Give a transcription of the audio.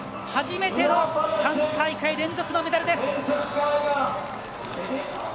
初めての３大会連続のメダルです。